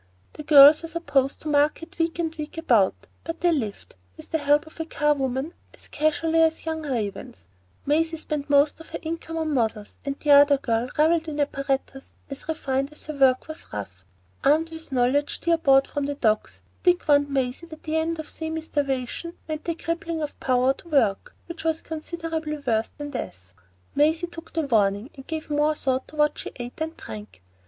The girls were supposed to market week and week about, but they lived, with the help of a charwoman, as casually as the young ravens. Maisie spent most of her income on models, and the other girl revelled in apparatus as refined as her work was rough. Armed with knowledge, dear bought from the Docks, Dick warned Maisie that the end of semi starvation meant the crippling of power to work, which was considerably worse than death. Maisie took the warning, and gave more thought to what she ate and drank.